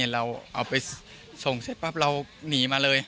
เราเอาไปส่งเสร็จปั๊บเราหนีมาเลย